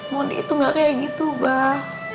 mondi itu gak kayak gitu bah